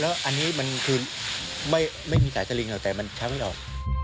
แล้วอันนี้มันคือไม่มีสายสลิงหรอกแต่มันใช้ไม่ออก